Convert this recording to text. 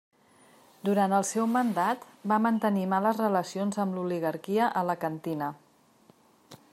Durant el seu mandat va mantenir males relacions amb l'oligarquia alacantina.